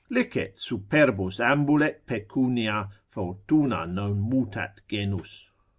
Licet superbus ambulet pecunia, Fortuna non mutat genus.